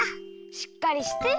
しっかりしてよ。